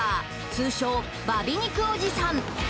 通称バ美肉おじさん